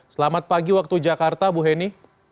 selamat pagi waktu jakarta bu heni